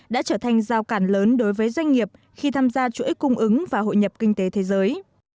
đã trở thành giao cản lớn đối với doanh nghiệp khi tham gia chuỗi cung ứng và hội nhập kinh tế thế giới